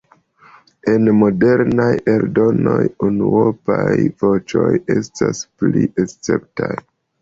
En modernaj eldonoj unuopaj voĉoj estas pli esceptaj.